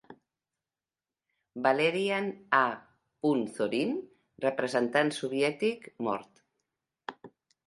Valerian A. Zorin, representant soviètic, mor.